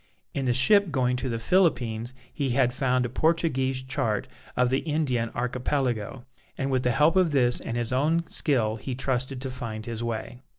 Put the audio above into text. In the ship going to the Philippines he had found a Portuguese chart of the Indian Archipelago, and with the help of this and his own skill he trusted to find his way.